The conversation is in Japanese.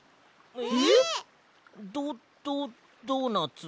えっ！？ドドドーナツ？